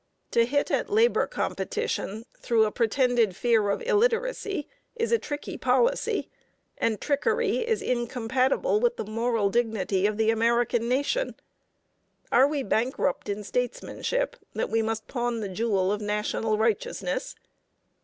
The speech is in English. To hit at labor competition through a pretended fear of illiteracy is a tricky policy, and trickery is incompatible with the moral dignity of the American nation. Are we bankrupt in statesmanship that we must pawn the jewel of national righteousness?